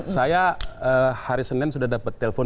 saya hari senin sudah dapat telepon